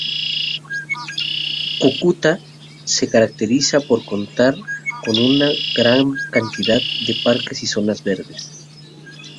Cúcuta se caracteriza por contar con una gran cantidad de parques y zonas verdes.